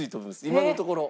今のところ。